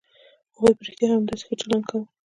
هغوی په رښتيا هم همداسې ښه چلند کاوه.